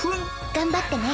・頑張ってね